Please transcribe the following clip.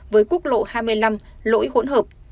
với quốc lộ hai mươi năm lỗi hỗn hợp